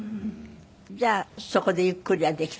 じゃあそこでゆっくりはできた？